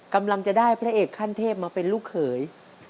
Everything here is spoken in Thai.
กำลังจะได้พระเอกขั้นเทพมาเป็นลูกเขย